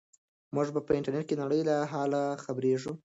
موږ په انټرنیټ کې د نړۍ له حاله خبریږو.